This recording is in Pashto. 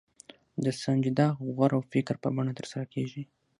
د سنجیده غور او فکر په بڼه ترسره کېږي.